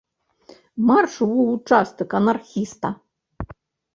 Марш ў участак, анархіста!